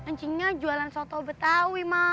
ncingnya jualan soto betawi ma